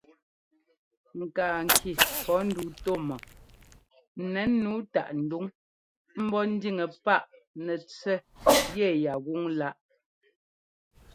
Ŋkaa ŋki pɔ́ nduu tú mɔ n nɛn nǔu táꞌ nduŋ ḿbɔ́ ńdíŋɛ páꞌ nɛtsẅɛ́ yɛyá gúŋláꞌ.